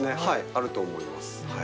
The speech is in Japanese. あると思います。